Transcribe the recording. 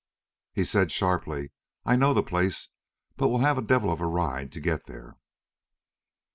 He said sharply: "I know the place, but we'll have a devil of a ride to get there."